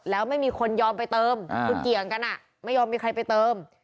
แล้วไม่มีคนยอมไปเติมคือเกี่ยงกันไม่ยอมมีใครไปเติม